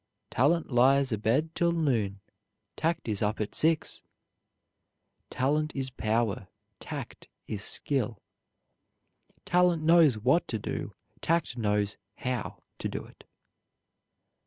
"Talent lies abed till noon; tact is up at six." Talent is power, tact is skill. Talent knows what to do, tact knows how to do it.